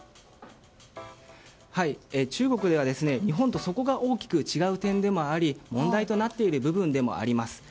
中国では、日本とそこが大きく違う点でもあり問題となっている部分でもあります。